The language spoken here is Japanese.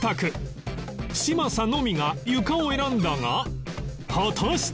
嶋佐のみが床を選んだが果たして